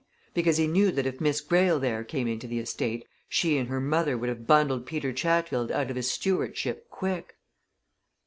Because he knew that if Miss Greyle there came into the estate, she and her mother would have bundled Peter Chatfield out of his stewardship quick."